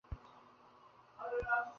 এই জানি-ত না, রাদিন পটের বিবি সেজে বসে আছে!